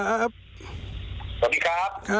สวัสดีครับ